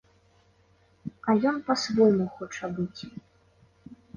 А ён па-свойму хоча быць.